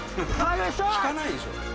効かないでしょ？